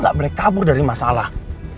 lo gak boleh kabur dari masalah